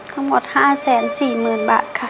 ทั้งหมด๕๔๐๐๐บาทค่ะ